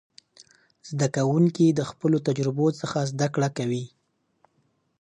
زده کوونکي د خپلو تجربو څخه زده کړه کوي.